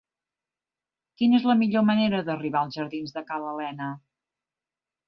Quina és la millor manera d'arribar als jardins de Ca l'Alena?